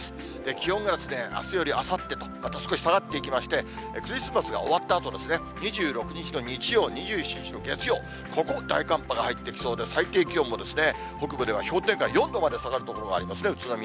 気温があすよりあさってと、また少し下がっていきまして、クリスマスが終わったあと、２６日の日曜、２７日の月曜、ここ、大寒波が入ってきそうで、最低気温も北部では氷点下４度まで下がる所もありますね、宇都宮。